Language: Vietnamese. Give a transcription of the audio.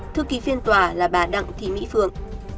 thư ký phiên tòa là bà đặng thị mỹ phượng